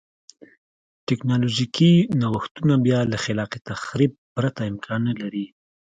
ټکنالوژیکي نوښتونه بیا له خلاق تخریب پرته امکان نه لري.